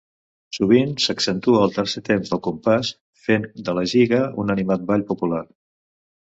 Sovint s'accentua el tercer temps del compàs, fent de la giga un animat ball popular.